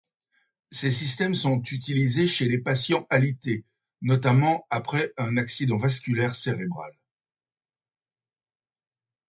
Ces systèmes sont utilisés chez les patients alités, notamment après un accident vasculaire cérébral.